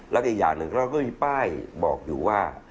แล้วก็อีกอย่างหนึ่งเราก็มีป้ายบอกอยู่ว่า